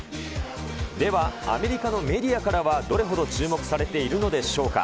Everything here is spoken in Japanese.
ではアメリカのメディアからはどれほど注目されているのでしょうか。